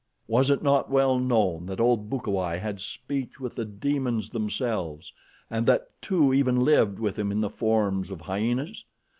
Was it not well known that old Bukawai had speech with the demons themselves and that two even lived with him in the forms of hyenas!